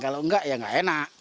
kalau enggak ya nggak enak